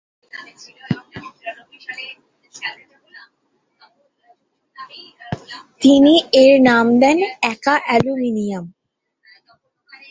তিনি এর নাম দেন একা-অ্যালুমিনিয়াম।